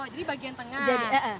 jadi bagian tengah